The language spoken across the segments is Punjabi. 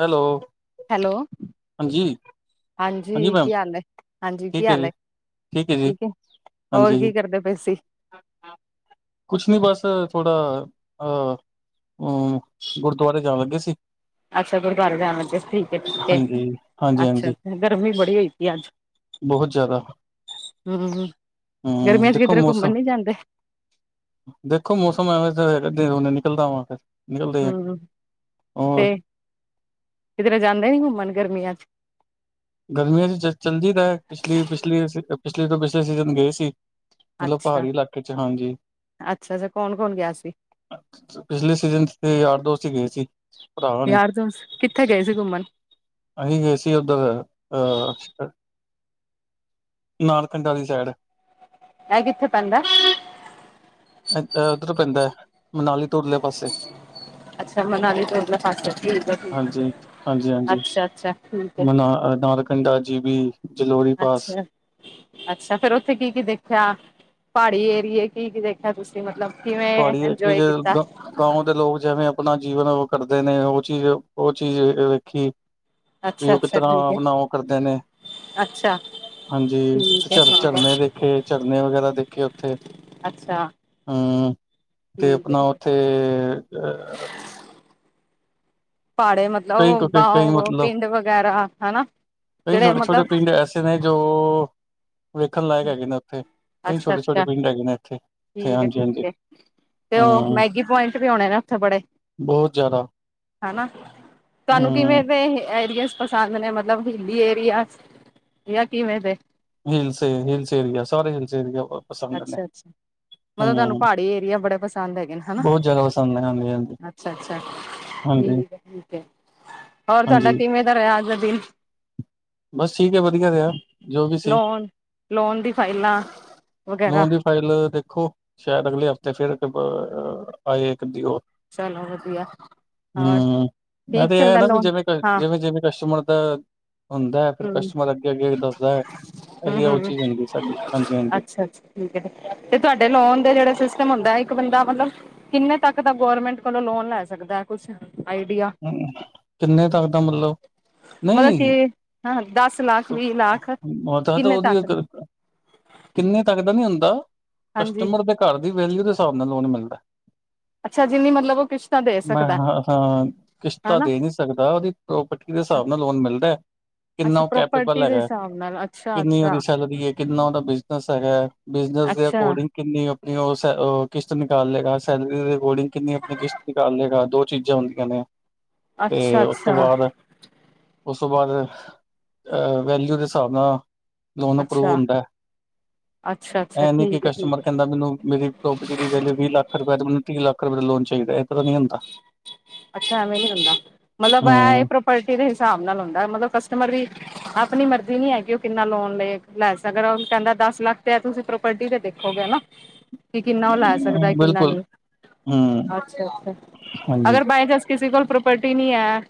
ਹੈਲੋ। ਹੈਲੋ, ਹਾਂਜੀ ਹਾਂਜੀ ਕੀ ਹਾਲ ਏ ਹਾਂਜੀ ਕੀ ਠੀਕ ਹੈ ਹਾਲ ਏ? ਜੀ ਹੈ ਜੀ ਠੀਕ ਏ ਹੋਰ ਹਾਂਜੀ ਕੀ ਕਰਦੇ ਪਏ ਸੀ? ਕੁਛ ਨੀ ਬਸ ਅ ਥੋੜ੍ਹਾ ਅ ਅ ਗੁਰਦੁਆਰੇ ਜਾਣ ਲੱਗੇ ਸੀ। ਅੱਛਾ ਗੁਰਦੁਆਰੇ ਜਾਣ ਲੱਗੇ ਠੀਕ ਐ-ਠੀਕ ਐ ਹਾਂਜੀ ਹਾਂਜੀ ਅੱਛਾ ਹਾਂਜੀ ਗਰਮੀ ਬੜੀ ਹੋਈ ਪਈ ਅੱਜ ਬਹੁਤ ਜ਼ਿਆਦਾ ਹੂੰ, ਹਮ ਗਰਮੀਆਂ ਚ ਦੇਖੋ ਕਿਧਰੇ ਕੁੰਮਣ ਮੌਸਮ ਨੀ ਜਾਂਦੇ। ਦੇਖੋ ਮੌਸਮ ਐਵੇਂ ਦਾ ਹੇਗਾ ਤੇ ਹੁਨੇ ਨਿਕਲਦਾ ਵਾਂ ਫਿਰ ਨਿਕਲਦੇ ਆ ਹੂੰ, ਹੋਰ ਤੇ ਕਿਧਰੇ ਜਾਂਦੇ ਨੀ ਕੁੰਮਣ ਗਰਮੀਆਂ ਚ ਗਰਮੀਆਂ ਚ ਚ ਚੱਲਜੀ ਦਾ ਤਾਂ ਪਿਛਲੀ-ਪਿਛਲੀ, ਪਿਛਲੀ ਤੋਂ ਪਿਛਲੇ ਸੀਜ਼ਨ ਗਏ ਸੀ। ਮਤਲਬ ਅੱਛਾ ਪਹਾੜੀ ਇਲਾਕੇ ਚ ਹਾਂਜੀ। ਅੱਛਾ ਅੱਛਾ ਕੌਣ ਕੌਣ ਗਿਆ ਸੀ ਪਿਛਲੇ ਸੀਜ਼ਨ ਚ ਤੇ ਯਾਰ ਦੋਸਤ ਈ ਗਏ ਸੀ। ਯਾਰ ਦੋਸਤ, ਕਿੱਥੇ ਗਏ ਸੀ ਕੁੰਮਣ ਅਹੀ ਗਏ ਸੀ ਓਧਰ ਅਹ। ਨਾਲਕਡਾ ਦੀ ਸਾਈਡ ਐ ਕਿੱਥੇ ਪੈਂਦਾ? ਐ ਅ ਉੱਧਰ ਪੈਂਦਾ ਮਨਾਲੀ ਤੋਂ ਉਰਲੇ ਪਾਸੇ। ਅੱਛਾ ਮਨਾਲੀ ਤੋਂ ਉਰਲੇ ਪਾਸੇ ਠੀਕ ਐ ਠੀਕ ਹਾਂਜੀ ਅੱਛਾ-ਅੱਛਾ ਠੀਕ ਐ। ਅਹ ਅਹ ਨਾਨ ਪਿੰਡਾਂ ਜੀ ਬੀ ਅੱਛਾ, ਅੱਛਾ ਫੇਰ ਓਥੇ ਕੀ-ਕੀ ਦੇਖਿਆ ਪਾੜੀ ਏਰੀਏ ਕੀ-ਕੀ ਦੇਖ ਹੈ ਤੁਸੀਂ ਮਤਲਬ ਕਿਵੇਂ ਐਂਜੋਏ ਕੀਤਾ? ਗਾਉ ਦੇ ਲੋਕ ਜਿਵੇਂ ਅਪਨਾ ਜੀਵਨ ਕਰਦੇ ਨੇ ਓ ਚੀਜ਼, ਓ ਚੀਜ਼ ਵੇਖੀ। ਵੀ ਅੱਛਾ ਓ ਅੱਛਾ ਕਿਤਰਾਂ ਠੀਕ ਹੈ ਅਪਨਾ ਓ ਕਰਦੇ ਨੇ। ਅੱਛਾ। ਹਾਂਜੀ, ਤੇ ਠੀਕ ਹੈ ਝਰ ਠੀਕ ਹੈ ਝਰਨੇ ਦੇਖੇ ਝਰਨੇ ਵਗੈਰਾ ਦੇਖੇ ਓਥੇ। ਅੱਛਾ। ਹੂੰ, ਤੇ ਠੀਕ ਹੈ ਅਪਨਾ ਠੀਕ ਹੈ। ਓਥੇ ਭਾੜੇ ਮਤਲਬ ਕਈ ਓ ਕਈ ਗਾਉ ਮਤਲਬ ਪਿੰਡ ਵਗੈਰਾ, ਹਨਾ, ਕਈ ਜੇੜੇ ਛੋਟੇ ਛੋਟੇ ਮਤਲਵ ਪਿੰਡ ਐਸੇ ਨੇ ਜੋ ਵੇਖਣ ਲਾਏਕ ਹੈਗੇ ਨੇ ਓਥੇ, ਕਈ ਅੱਛਾ ਛੋਟੇ-ਛੋਟੇ ਅੱਛਾ ਪਿੰਡ ਹੈਗੇ ਨੇ ਏਥੇ, ਠੀਕ ਹੈ ਠੀਕ ਹਾਂਜੀ-ਹਾਂਜੀ। ਹੈ। ਤੇ ਓ ਮੈਗੀ ਪੁਆਈਟ ਵੀ ਹੋਣੇ ਨੇ ਓਥੇ ਬੜੇ ਬਹੁਤ ਜ਼ਿਆਦਾ ਹਨਾ, ਧਾਨੂੰ ਕਿਵੇਂ ਹੂੰ ਦੇ ਇਹ ਆਈਡੀਸ ਪਸੰਦ ਨੇ ਮਤਲਵ ਹਿਲੀ ਏਰੀਆਸ ਜਾ ਕਿਵੇਂ ਦੇ? ਹੀਲ ਸੇ ਹੀਲ ਸੇ ਸਾਰੇ ਹੀਲ ਈ ਆ। ਅੱਛਾ-ਅੱਛਾ, ਮਲਬ ਧਾਨੂੰ ਭਾੜੀ ਏਰੀਆ ਬੜੇ ਪਸੰਦ ਹੈਗੇ ਨੇ ਹਨਾ। ਬੌ ਜਾਦਾ ਪਸੰਦ ਨੇ ਹਾਂਜੀ-ਹਾਂਜੀ। ਅੱਛਾ-ਅੱਛਾ, ਠੀਕ ਏ, ਠੀਕ ਏ, ਹੋਰ ਧਾਡਾ ਹਾਂਜੀ ਕੀਵੇਂ ਘਰੇ ਆਜ ਦਾ ਦੀਨ? ਬਸ ਠੀਕ ਏ ਵਦੀਆ ਰੇਆ, ਜੋ ਵੀ ਸੀ। ਲੋਨ ਲੋਨ ਦੀ ਫਾਈਲਾਂ ਵਗੈਰਾ ਲੋਨ ਦੀ ਫਾਈਲ ਦੇਖੋ ਸੈ਼ਦ ਅਗਲੇ ਹਫ਼ਤੇ ਫੇਰ [unintelligible] ਆਏ ਇਕ ਦੀ ਓ ਚਲੋ ਵਦੀਆ। ਹੂੰ, ਐ ਤੇ ਏ ਨਾ ਵੀ ਜਿਵੇਂ ਕ ਹਾਂ ਜਿਵੇਂ-ਜਿਵੇਂ ਕਸ਼ਟਮਰ ਦਾ ਹੁੰਦਾ ਐ ਫੇਰ ਹਮ ਕਸਟਮਰ ਅੱਗੇ-ਅੱਗੇ ਦੱਸਦਾ ਐ, ਹਮ ਐਦੀ ਓ ਹਮ ਚੀਜ਼ ਹੁੰਦੀ ਸਾਡੀ, ਹਾਂਜੀ ਹਾਂਜੀ। ਅੱਛਾ ਅੱਛਾ ਠੀਕ ਐ, ਤੇ ਧੋਆਡੇ ਲੋਨ ਦੇ ਜੇੜੇ ਸਿਸਟਮ ਹੁੰਦਾ ਐ ਇਕ ਬੰਦਾ ਮਲਬ ਕਿਨੇ ਤੱਕ ਦਾ ਗੌਰਮੈਂਟ ਕੋਲੋਂ ਲੋਨ ਲੈ ਸਕਦਾ ਐ ਕੁਛ, ਆਈਡੀਆ? ਕਿਨੇ ਤੱਕ ਦਾ ਮਤਲਵ ਮਤਲਬ ਨਈ ਕਿ ਹਾਂ ਦਸ ਲ ਮ ਤਾਂ ਤਾਂ ਓਦੀ ਇਕ ਕਿੰਨੇ ਤੱਕ ਦਾ ਨੀ ਹੁੰਦਾ, ਹਾਂਜੀ ਕਸਟਮਰ ਦੇ ਘਰ ਦੀ ਵੈਲੀਊ ਦੇ ਸਾਬ ਨਾਲ ਲੋਨ ਮਿਲਦਾ। ਅੱਛਾ ਜਿੰਨੀ ਮਤਲਬ ਉਹ ਕਿਸ਼ਤਾਂ ਦੇ ਮੈਂ ਸਕਦਾ ਹ ਹਾਂ, ਕਿਸ਼ਤਾ ਹਨਾ ਦੇ ਨੀ ਸਕਦਾ ਓਦੀ ਪ੍ਰੋਪਰਟੀ ਦੇ ਸਾਬ ਨਾਲ ਲੋਨ ਮਿਲਦਾ ਐ ਕਿਨਾ ਅੱਛਾ ਓ ਕੈਪੇਬਲ ਪ੍ਰੋਪਰਟੀ ਦੇ ਕਲੈਗਾ ਐ, ਹਿਸਾਬ ਨਾਲ ਅੱਛਾ ਕਿਨੀ ਅੱਛਾ ਓਦੀ ਸੈਲਰੀ ਏ, ਕਿਨਾ ਓਦਾ ਬਿਜਨਸ ਹੈਗਾ ਐ ਬਿਜਨਸ ਦੇ ਅੱਛਾ ਅਕੋਡਿੰਗ ਕਿੰਨੀ ਅਪਨੀ ਓ ਸੈ ਓ ਕਿਸ਼ਤ ਨਿਕਾਲ ਲੇਗਾ ਸੈਲਰੀ ਦੇ ਅਕੋਡਿੰਗ ਕਿੰਨੀ ਆਪਣੀ ਕਿਸ਼ਤ ਨੀਕਾਲੇਗਾ ਦੋ ਚੀਜ਼ਾਂ ਹੁੰਦੀਆਂ ਨੇ। [inaudible] ਤੇ ਓਤੋਂ ਅੱਛਾ ਬਾਦ, ਉਸ ਤੋਂ ਬਾਦ ਅ ਵੈਲੀਊ ਦੇ ਸਾਬ ਨਾ ਲੋਨ ਅਪਰੂ ਅੱਛਾ ਹੁੰਦਾ ਐ, ਅੱਛਾ ਅੱਛਾ ਐ ਨੀ ਕੀ ਠੀਕ ਹੈ ਠੀਕ ਕਸਟਮਰ ਹੈ ਕੈਂਦਾ ਮੇਨੂੰ ਮੇਰੀ ਪ੍ਰੋਪਰਟੀ ਦੀ ਵਲੀਊ ਵੀਅ ਲੱਖ ਰੁਪਏ ਤੇ ਮਨੂੰ ਤੀਅ ਲੱਖ ਰੁਪਏ ਦਾ ਲੋਨ ਚਾਈਦਾ ਏ। ਅੱਛਾ ਐਵੇਂ ਨੀ ਹੁੰਦਾ, ਮਲਬ ਆ ਈ ਹਮ ਪ੍ਰ ਪਲਟੀ ਦੇ ਹੀਸਾਬ ਨਾਲ ਹੁੰਦਾ ਐ ਮਲਬ ਕਸਟਮਰ ਵੀ ਆਪਣੀ ਮਰਜ਼ੀ ਨੀ ਹੈਗੀ ਓ ਕਿੰਨਾ ਲੋਨ ਲੇ ਲੈ ਸਕਦਾ ਓ ਕੈਂਦਾ ਦਸ ਲੱਖ ਤੇ ਤੁਸੀਂ ਪ੍ਰੋਪਲਟੀ ਤੇ ਦੇਖੋਗੇ ਹਨਾ। ਕੀ ਕਿੰਨਾ ਓ ਲੈ ਸਕਦਾ ਕਿਨਾ ਬਿਲਕੁਲ ਨਈ, ਹੂੰ, ਅੱਛਾ-ਅੱਛਾ, ਹਾਂਜੀ। ਅਗਰ ਬ [unintelligible] ਕਿਸੀ ਕੋਲ ਪ੍ਰੋਪਲਟੀ ਨੀ ਐ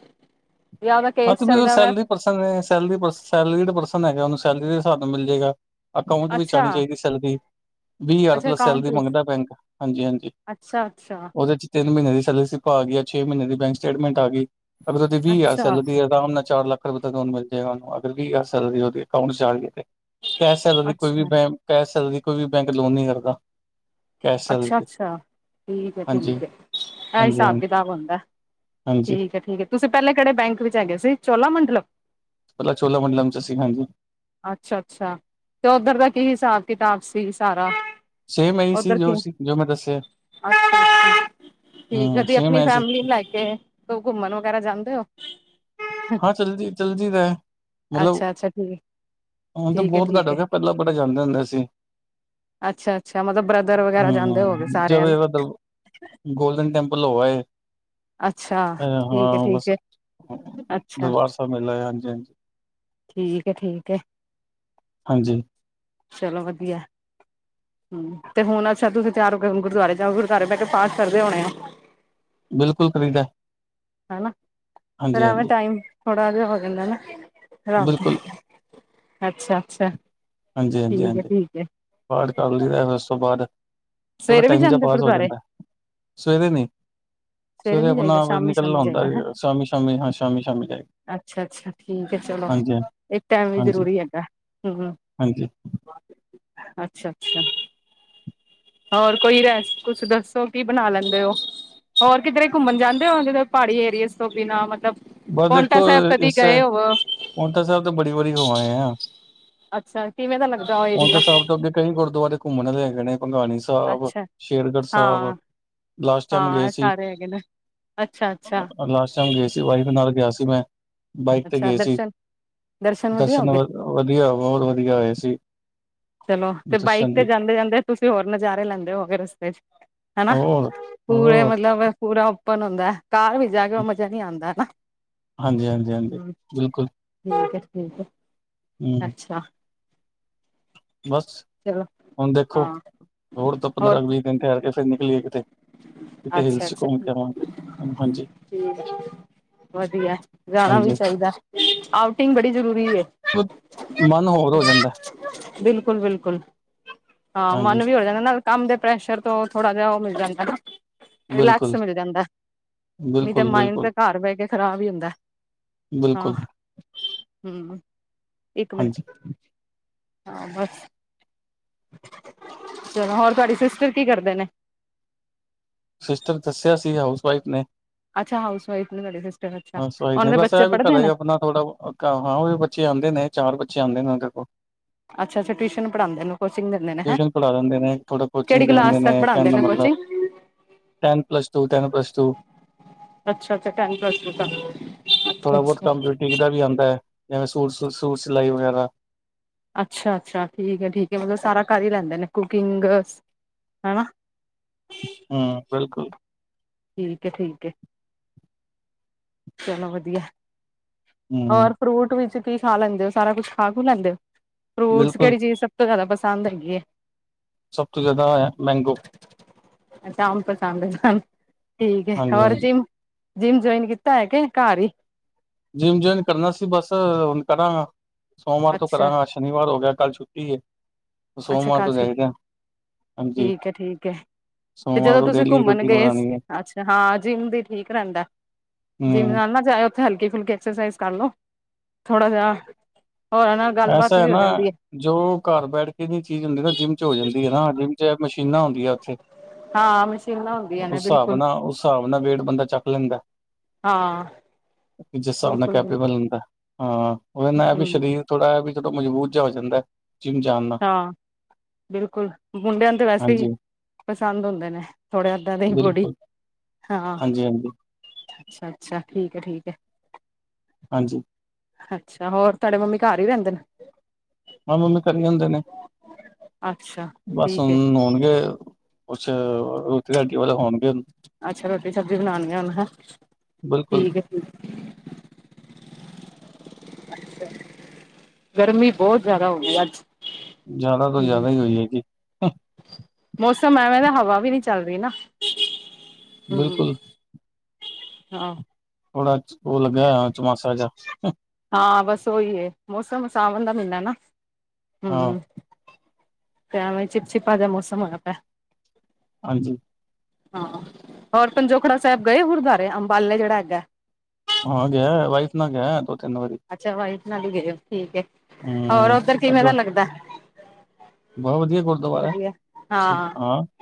ਜਾਂ ਓਦਾ ਕੇਸ ਚੱਲਦਾ ਵੈ। ਅਰੇ ਸੈਲਰੀ ਪਰਸਨ ਸੈਲਰੀ ਪਰਸਨ ਹੈਗਾ ਸੈਲਰੀ ਦੇ ਹਿਸਾਬ ਨਾਲ ਮਿਲ ਜਾਏਗਾ। ਅਕਾਊਂਟ ਵਿੱਚ ਅੱਛਾ ਆਉਣੀ ਚਾਹੀਦੀ ਸੀ। ਵੀਹ ਹਜ਼ਾਰ ਅੱਛਾ ਪਲੱਸ ਅਕਾਊਂਟ ਸੈਲਰੀ ਵਿੱਚ ਮੰਗਦਾ ਬੈਂਕ ਹਾਂਜੀ ਹਾਂਜੀ ਅੱਛਾ ਅੱਛਾ ਉਹਦੇ ਚ ਤਿੰਨ ਮਹੀਨੇ ਦੀ ਸੈਲਰੀ ਸੀ ਗੀਆ। ਛੇ ਮਹੀਨੇ ਦੀ ਬੈਂਕ ਸਟੇਟਮੈਂਟ ਆ ਗਈ। ਅਗਰ ਉਹਦੀ ਵੀਹ ਹਜ਼ਾਰ ਅੱਛਾ ਕਿੱਦਾਂ ਉਹਨੇ ਚਾਰ ਲੱਖ ਰੁਪਏ ਤਕ ਲੋਨ ਮਿਲ ਜਾਏਗਾ ਅਗਰ ਵੀਹ ਹਜ਼ਾਰ ਸੈਲਰੀ ਉਹਦੇ ਅਕਾਊਂਟ ਚ ਆ ਗੇਈ ਤੇ ਕੈਸ਼ ਸੈਲਰੀ ਕੋਈ ਅੱਛਾ ਵੀ ਬੈਂਕ ਕੈਸ਼ ਸੈਲਰੀ ਕੋਈ ਵੀ ਬੈਂਕ ਲੋਨ ਨਹੀਂ ਕਰਦਾ। ਕੈਸ਼ ਸੈਲਰੀ ਅੱਛਾ ਤੇ ਅੱਛਾ ਠੀਕ ਹੈ ਹਾਂਜੀ। ਠੀਕ ਹੈ ਇਹ ਹਾਂਜੀ ਹਾਂ ਹਿਸਾਬ ਕਿਤਾਬ ਹੁੰਦਾ। ਹਾਂਜੀ ਠੀਕ ਹੈ ਠੀਕ ਤੁਸੀਂ ਪਹਿਲੇ ਕਿਹੜੇ ਬੈਂਕ ਵਿੱਚ ਹੈਗੇਏ ਸੀ ਚੋਲਾ ਮੰਡਲਮ ਮਤਲਬ ਚੋਲਾ ਮੰਡਲਮ ਚ ਅਸੀ ਹਾਂਜੀ। ਅੱਛਾ ਅੱਛਾ ਤੇ ਓਧਰ ਦਾ ਕੀ ਹਿਸਾਬ ਕਿਤਾਬ ਸੀ ਸਾਰਾ। ਸੇਮ ਇਹੀ ਸੀ ਉਧਰ ਜੋ ਕਿ ਸੀ ਜੋ ਮੈਂ ਦੱਸਿਆ ਤੁਸੀਂ ਹੂੰ ਕਦੀ ਸੇਮ ਆਪਣੀ ਐ ਸੀ। ਫੈਮਿਲੀ ਲੈ ਕੇ ਆਏ। ਘੁੰਮਣ ਵਗੈਰਾ ਜਾਂਦੇ ਹੋ। ਹਾਂ ਚਲਦੀ ਚਲਦੀ ਦਾ ਮਤਲਬ ਅੱਛਾ-ਅੱਛਾ ਠੀਕ ਹੁਣ ਤਾਂ ਠੀਕ ਹੈ ਬਹੁਤ ਘੱਟ ਠੀਕ ਹੋ ਹੈ ਗਿਆ ਪਹਿਲਾਂ ਬੜੇ ਜਾਂਦੇ ਹੁੰਦੇ ਸੀ। ਅੱਛਾ ਅੱਛਾ ਮਤਲਬ ਬ੍ਰਦਰ ਵਗੈਰਾ ਜਾਂਦੇ ਹਮ ਹੋ ਗਏ ਸਾਰੇ ਜਦੋਂ ਹਨਾ। ਇਹਦਾ ਦਰ ਗੋਲਡਨ ਟੈਪਲ ਹੋ ਆਏ ਅੱਛਾ ਠੀਕ ਹੈ ਹਾਂ ਠੀਕ ਬਸ। ਹੈ ਅੱਛਾ ਦੁਰਬਾਰ ਸਾਹਿਬ ਮਿਲ ਆਏ ਹਾਂਜੀ ਹਾਂਜੀ। ਠੀਕ ਏ ਠੀਕ ਏ। ਹਾਂਜੀ। ਚਲੋ ਵਧੀਆ। ਹੂੰ ਹੁਣ ਅੱਛਾ ਸ਼ਾਇਦ ਤੁਸੀਂ ਤਿਆਰ ਹੋ ਕੇ ਗੁਰਦੁਆਰੇ ਜਾਉਗੇ। ਗੁਰਦੁਆਰੇ ਬਹਿ ਕੇ ਪਾਠ ਕਰਦੇ ਹੋਣੇ ਆ। ਬਿਲਕੁਲ ਕਰੀਦਾ। ਹੈਨਾ ਫੇਰ ਐਵੇਂ ਟਾਈਮ ਥੋੜ੍ਹਾ ਜਿਹਾ ਹੋ ਜਾਂਦਾ ਨਾ। ਰਾਮ ਬਿਲਕੁਲ -ਰਾਮ ਅੱਛਾ -ਅੱਛਾ ਹਾਂਜੀ ਹਾਂਜੀ ਠੀਕ ਹੈ ਹਾਂਜੀ ਠੀਕ ਹੈ। ਪਾਠ ਕਰਲੀਦਾ ਉਸ ਤੋਂ ਬਾਅਦ ਥੋੜਾ ਸਵੇਰੇ ਵੀ ਟਾਈਮ ਜਾ ਜਾਂਦੇ ਪਾਸ ਹੋ ਗੁਰਦੁਆਰੇ ਜਾਂਦਾ। ਸਵੇਰੇ ਨਈ ਸਵੇਰੇ ਸਵੇਰ ਨੀ ਆਪਣਾ ਜਾਈਦਾ ਆਪ ਸ਼ਾਮੀ ਨਿਕਲਣਾ ਸ਼ਾਮੀ ਹੁੰਦਾ ਜਾਈਦਾ ਹੈ ਸ਼ਾਮੀ ਸ਼ਾਮੀ ਸ਼ਾਮੀ ਸ਼ਾਮੀ ਜਾਈ ਅੱਛਾ ਅੱਛਾ ਠੀਕ ਏ ਚਲੋ ਇਹ ਟਾਈਮ ਵੀ ਹਾਂਜੀ ਜਰੂਰੀ ਹੈਗਾ। ਹਾਂਜੀ ਅੱਛਾ ਅੱਛਾ। ਹੋਰ ਕੋਈ ਰੈਸ ਕੁਛ ਦੱਸੋ ਕੀ ਬਣਾ ਲੈਂਦੇ ਹੋ। ਹੋਰ ਕਿਧਰੇ ਘੁੰਮਣ ਜਾਂਦੇ ਹੋ ਪਹਾੜੀ ਏਰੀਏਜ਼ ਤੋਂ ਬਿਨਾਂ ਮਤਲਬ ਔ ਦੇਖੋ ਪੋਂਟਾ ਸਾਹਿਬ ਕਦੀ ਇਸੇ ਗਏ ਹੋਵੋ ਪਾਉਟਾ ਸਾਹਿਬ ਤਾਂ ਬੜੀ ਵਾਰੀ ਹੋਵ ਆਏ ਆ। ਅੱਛਾ ਕਿਵੇਂ ਦਾ ਲੱਗਦਾ ਉਹ ਹੁਣ ਏਰੀਆ ਤਾਂ ਸਾਹਿਬ ਤੋਂ ਅੱਗੇ ਕਈ ਗੁਰਦੁਆਰੇ ਘੁੰਮਣ ਆਲੇ ਹੈਗੇਏ ਨੇ ਭਗਾਣੀ ਸਾਹਿਬ ਅੱਛਾ ਸ਼ੇਰਗੜ੍ਹ ਸਾਹਿਬ। ਹਾਂ ਲਾਸਟ ਟਾਈਮ ਹਾਂ ਗਏ ਇਹ ਸੀ ਸਾਰੇ ਹੈਗੇ ਨੇ ਅੱਛਾ ਅੱਛਾ ਅ ਆ ਚਮ ਗਏ ਸੀ ਵਾਈਫ ਨਾਲ ਗਿਆ ਸੀ ਮੈਂ ਬਾਈਕ ਤੇ ਅੱਛਾ ਗਏ ਸੀ ਦਰਸ਼ਨ ਵਧੀਆ ਹੋ ਦਰਸ਼ਨ ਗਏ ਵ ਵਧੀਆਆ ਬਹੁਤ ਵਧੀਆ ਹੋਏ ਸੀ। ਚਲੋ ਬਾਈਕ ਦਰਸ਼ਨ ਤੇ ਵੀ ਜਾਂਦੇ ਜਾਂਦੇ ਤੁਸੀਂ ਹੋਰ ਨਜ਼ਾਰੇ ਲੈਂਦੇ ਹੋਗੇ ਰਸਤੇ ਚ ਹਨਾ ਹੋਰ ਪੂਰੇ ਹੋਰ ਮਤਲਬ ਪੂਰਾ ਓਪਨ ਹੁੰਦਾ ਕਾਰ ਵਿਚ ਜਾ ਕੇ ਉਹ ਮਜ਼ਾ ਨੀ ਆਦਾਂ ਹਨਾ। ਹਾਂਜੀ ਹਾਂਜੀ ਹਾਂਜੀ ਹਮ ਬਿਲਕੁਲ। ਠੀਕ ਹੈ ਠੀਕ ਹੈ ਹੂੰ ਅੱਛਾ ਬਸ ਚਲੋ ਹੁਣ ਦੇਖੋ। ਹਾਂ ਹੋਰ ਤਾਂ ਪੰਦਰਾਂ ਵੀਹ ਦਿਨ ਠਹਿਰ ਕੇ ਫੇਰ ਨਿਕਲੀਏ ਕਿਤੇ ਕਿਤੇ ਅੱਛਾ ਹਿਲਸ ਅੱਛਾ ਘੁੰਮ ਕੇ ਠੀਕ ਆਵਾਂਗੇ ਹਾਂਜੀ। ਹੈ ਵਧੀਆ ਜਾਣਾ ਵੀ ਹਾਂਜੀ ਚਾਹੀਦਾ ਆਊਟਿੰਗ ਬੜੀ ਜ਼ਰੂਰੀ ਏ [unintelligible] ਮਨ ਹੋਰ ਹੋ ਜਾਂਦੈ। ਬਿਲਕੁਲ, ਬਿਲਕੁਲ। ਹਾਂ, ਮਨ ਹਾਂਜੀ ਵੀ ਹੋ ਜਾਨਾ ਨਾਲ ਕੰਮ ਦੇ ਪ੍ਰੈਸ਼ਰ ਤੋਂ ਥੋੜਾ ਜਿਆ ਓ ਮਿਲ ਜਾਂਦਾ ਨਾ ਰਿਲੈਕਸ ਬਿਲਕੁਲ ਮਿਲ ਜਾਂਦਾ। ਨਹੀਂ, ਤੇ ਬਿਲਕੁਲ ਮਾਇੰਡ ਬਿਲਕੁਲ ਤੇ ਘਰ ਬਹਿ ਕੇ ਖ਼ਰਾਬ ਹੀ ਹੁੰਦਾ। ਬਿਲਕੁਲ ਹੂੰ--ਇੱਕ ਮਿੰ। ਹਾਂਜੀ ਹਾਂ, ਬਸ ਚਲੋ, ਹੋਰ ਤੁਹਾਡੀ ਸਿਸਟਰ ਕੀ ਕਰਦੇ ਨੇ ਸਿਸਟਰ ਦੱਸਿਆ ਸੀ। ਹਾਊਸ ਵਾਈਫ ਨੇ ਅੱਛਾ, ਹਾਊਸ ਵਾਈਫ ਨੇ ਤੁਹਾਡੇ ਸਿਸਟਰ। ਅੱਛਾ, ਹਾਊਸ ਵਾਈਫ ਓਨਾਂ ਨੇ ਦੇ ਬਸ ਬੱਚੇ ਇਹ ਵੀ ਪੜ੍ਹਦੇ ਘਰੇ ਨੇ ਆਪਣਾ ਥੋੜਾ ਔਖਾ--ਹਾਂ, ਉਹ ਵੀ ਬੱਚੇ ਆਉਂਦੇ ਨੇ ਚਾਰ ਬੱਚੇ ਆਉਂਦੇ ਨੇ ਉਹਦੇ ਕੋਲ ਅੱਛਾ, ਅੱਛਾ। ਟਿਊਸ਼ਨ ਪੜ੍ਹਾਂਦੇ ਨੇ ਕੋਚਿੰਗ ਦਿੰਦੇ ਨੇ ਹੈਂ, ਟਿਊਸ਼ਨ ਪੜ੍ਹਾ ਦਿੰਦੇ ਨੇ ਥੋੜਾ ਕਿਹੜੀ ਕੋਚਿੰਗ ਦੇ ਕਲਾਸ ਦਿੰਦੇ ਤੱਕ ਕਹਿਣ ਪੜ੍ਹਾਂਦੇ ਦਾ ਨੇ ਮਤਲਬ coaching [inaudible] ten, plus two. Ten, plus two ਅੱਛਾ, ਅੱਛਾ। ਟੈਨ, ਪਲੱਸ ਟੂ ਤਕ। ਅੱਛਾ, ਅੱਛਾ ਬੂਟੀਕ ਦਾ ਵੀ ਆਂਦਾ। ਜਿਵੇਂ- ਸੂਟ, ਸੂਟ ਸਿਲਾਈ ਵਗੈਰਾ ਅੱਛਾ, ਅੱਛਾ। ਠੀਕ ਆ, ਠੀਕ ਏ ਮਤਲਬ ਸਾਰਾ ਕਰ ਹੀ ਲੈਂਦੇ ਨੇ ਕੁਕਿੰਗ ਹੈਨਾ ਹੂੰ, ਬਿਲਕੁਲ ਠੀਕ ਏ, ਠੀਕ ਏ ਚਲੋ, ਵਧੀਆ। ਹਮ ਔਰ ਫਰੂਟ ਵਿੱਚ ਕੀ ਖਾ ਲੈਂਦੇ ਹੋ। ਸਾਰਾ ਕੁਛ ਖਾ-ਖੂ ਲੈਂਦੇ ਹੋ। ਫਰੂਟਸ ਬਿਲਕੁਲ ਕਿਹੜੀ ਚੀਜ਼ ਸਭ ਤੋਂ ਜ਼ਦਾ ਪਸੰਦ ਹੈਗੀ ਹੈ। ਸਭ ਤੋਂ ਜ਼ਿਆਦਾ ਮੈਂਗੋ ਅੱਛਾ, ਅੰਬ ਪਸੰਦ ਆ। ਠੀਕ ਆ ਹਾਂਜੀ ਹੋਰ ਹਾਂਜੀ ਜਿੰਮ, ਜਿੰਮ ਜੁਆਇਨ [unintelligible] ਕਿ ਘਰ ਹੀ ਜਿੰਮ ਜੁਇਨ ਕਰਨਾ ਸੀ ਬਸ, ਹੁਨ ਕਰਾਂਗਾ ਸੋਮਵਾਰ ਤੋਂ ਅੱਛਾ ਕਰਾਂਗਾ ਸ਼ਨੀ ਸ਼ਨੀਵਾਰ ਹੋ ਗਿਆ, ਕੱਲ ਛੁੱਟੀ ਹੈ। ਅੱਛਾ ਸੋਮਵਾਰ ਕੱਲ ਤੋਂ ਛੁੱਟੀ ਜਾਈਦੇ ਠੀਕ ਏ, ਠੀਕ ਏ ਸੋਮਵਾਰ ਜਦੋਂ ਤੋਂ ਤੁਸੀਂ ਡੇਲੀ ਘੁੰਮਣ ਰੂਟੀਨ ਗਏ ਸੀ। ਬਣਾਉਣੀ ਹੈ ਅੱਛਾ, ਹਾਂ, ਜਿੰਮ ਵੀ ਠੀਕ ਰਹਿੰਦਾ। ਜਿਮ ਹਮ ਨਾ, ਨਾ ਜਾਇਉ। ਉੱਥੇ ਹਲਕੀ ਫੁਲਕੀ ਐਕਸਸਾਈਜ਼ ਕਰਲੋ ਥੋੜਾ ਜਿਹਾ ਹੋਰਾਂ ਨਾਲ ਗੱਲਬਾਤ ਐਸਾ ਹੈ ਵੀ ਹੋ ਨਾ ਜਾਂਦੀ ਜੋ ਘਰ ਬੈਠ ਕੇ ਨੀ ਚੀਜ਼ ਚ ਹੁੰਦੀ ਨਾ ਜਿੰਮ ਚ ਹੋ ਜਾਂਦੀ ਹੈ ਨਾ ਜਿੰਮ ਚ ਮਸੀ ਪੀਨਾ ਹੁੰਦੀਆਂ ਸੀ। ਹਾਂ ਮਸ਼ੀਨਾਂ ਹੁੰਦੀਆਂ ਉਸ ਨੇ ਹਿਸਾਬ ਬਿਲਕੁਲ ਨਾਲ, ਉਸ ਹਿਸਾਬ ਨਾਲ ਵੇਟ ਬੰਦਾ ਚੱਕ ਲੈਂਦਾ। ਹਾਂ ਜਿਸ ਹਿਸਾਬ ਨਾਲ ਬਿਲਕੁਲ ਬਿਲਕੁਲ ਕੈਪੀਬਲ ਹੁੰਦਾ ਅ--ਇਨ੍ਹਾਂ ਏ ਵੀ ਹਮ ਸਰੀਰ ਥੋੜਾ ਜਾ ਵੀ ਜਦੋਂ ਮਜਬੂਤ ਚ ਆ ਜਾਂਦਾ। ਜਿਮ ਜਾਨੂ ਹਾਂ ਬਿਲਕੁਲ, ਮੁੰਡਿਆਂ ਨੂੰ ਵੈਸੇ ਹੀ ਹਾਂਜੀ ਪਸੰਦ ਹੁੰਦੇ ਨੇ ਥੋੜੇ ਇੰਦਾਂ ਦੀ ਬੋਡੀ ਬਿਲਕੁਲ ਹਾਂਜੀ, ਹਾਂਜੀ ਅੱਛਾ-ਅੱਛਾ। ਠੀਕ ਹੈ, ਠੀਕ ਹੈ ਹਾਂਜੀ ਅੱਛਾ--ਹੋਰ ਤਾਡੇ ਮੰਮੀ ਘਰ ਹੀ ਰਹਿੰਦੇ ਨੇ। ਮ--ਮੰਮੀ ਘਰੇ ਹੁੰਦੇ ਨੇ ਅੱਛਾ ਬਸ, ਹੁਨ ਠੀਕ ਹੈ ਨੋਣਗੇ। ਕੁਛ ਰੋਟੀ- ਰਾਟੀ ਵਾਲੇ ਹੋਣਗੇ। ਹੁਣ। ਅੱਛਾ, ਰੋਟੀ ਸਬਜ਼ੀ ਬਣਾਨ ਰਹੀ ਆ ਹੈ। ਬਿਲਕੁਲ ਠੀਕ ਆ [inaudible] ਅੱਛਾ, ਗਰਮੀ ਬਹੁਤ ਜਾਦਾ ਹੋ ਗਈ ਅੱਜ। ਜਾਦਾ ਤੋਂ ਹਮ ਜਾਦਾ ਈ ਹੋਈ ਹੈਗੀ। ਮੌਸਮ ਐਵੇਂ ਦਾ ਹਵਾ ਵੀ ਨੀ ਚੱਲਰੀ ਨਾ। ਹੂੰ। ਬਿਲਕੁਲ ਹਾਂ ਥੋੜਾ ਅੱਜ ਓ ਲੱਗਿਆ ਹੋਇਆ ਚੋਮਾਸਾ ਜਾ। ਹਾਂ, ਬਸ ਉਹੀ ਏ ਮੌਸਮ ਸਾਵਣ ਦਾ ਮੀਨਾ ਨਾ ਹਾਂ ਹੁ ਤੇਵੇਂ ਚਿਪਚਿਪਾ ਜਾਂ ਮੌਸਮ ਹੋਇਆ ਪਿਆ। ਹਾਂਜੀ ਹਾਂ ਹੋਰ ਪੰਜੋਖੜਾ ਸਾਹਿਬ ਗਏ ਓ ਗੁਰਦੁਆਰੇ ਅੰਬਾਲੇ ਕੇੜਾ ਹੈਗਾ। ਹਾਂ, ਗਿਆ ਹੋਇਆ, ਵਾਈਫ ਨਾ ਗਿਆ ਹੋਇਆ ਦੋ ਤਿੰਨ ਵਾਰੀ ਅੱਛਾ ਵਾਈਫ ਨਾਲ ਹੀ ਗਏ ਓ ਠੀਕ ਅ। ਹੋਰ ਹਮ ਉਧਰ ਕਿਵੇਂ ਦਾ ਲੱਗਦਾ। ਬੋ ਵਧੀਆ ਗੁਰਦੁਆਰਾ ਐ। ਅਛ ਹਾਂ। [unintelligible]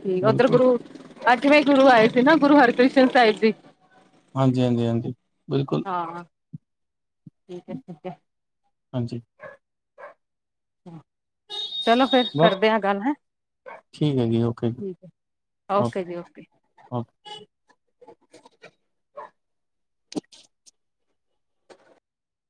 ਠੀਕ ਆ ਓਧਰ ਬਿਲਕੁਲ ਗੁਰੂ ਅਠਵੇਂ ਗੁਰੂ ਆਏ ਸੀ ਨਾ ਗੁਰੂ ਹਰਿਕ੍ਰਿਸ਼ਨ ਸਾਹਿਬ ਜੀ। ਹਾਂਜੀ- ਹਾਂਜੀ- ਹਾਂਜੀ, ਬਿਲਕੁਲ। ਹਾਂ ਠੀਕ ਐ, ਠੀਕ ਐ ਹਾਂਜੀ [unintelligible] ਚਲੋ ਫੇਰ ਬਸ ਕਰਦੇ ਆ ਗੱਲ ਹੈਂ। ਠੀਕ ਹੈਗੀ ਓਹ ਠੀਕ ਹੈ ਓਕੇ ਜੀ ਓਕੇ ਓਕੇ